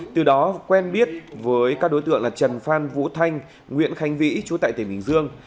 từ đó quen biết với các đối tượng là trần phan vũ thanh nguyễn khánh vĩ chú tại tỉnh bình dương